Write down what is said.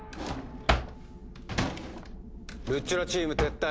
ルッチョラチーム撤退。